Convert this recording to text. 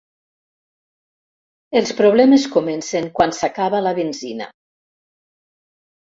Els problemes comencen quan s'acaba la benzina.